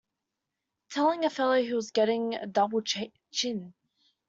Telling a fellow he was getting a double chin!